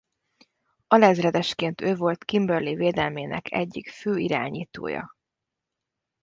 Alezredesként ő volt Kimberley védelmének egyik fő irányítója.